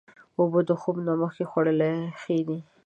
اوبه د خوب نه مخکې خوړل ښې دي.